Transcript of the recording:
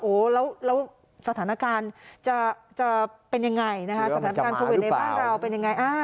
โอ้โหแล้วสถานการณ์จะเป็นยังไงนะคะสถานการณ์โควิดในบ้านเราเป็นยังไง